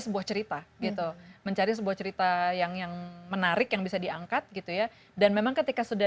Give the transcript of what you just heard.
sebuah cerita gitu mencari sebuah cerita yang yang menarik yang bisa diangkat gitu ya dan memang ketika sudah